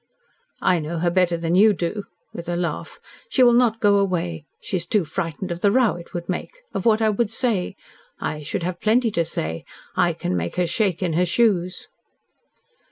"I know her better than you do," with a laugh. "She will not go away. She is too frightened of the row it would make of what I should say. I should have plenty to say. I can make her shake in her shoes."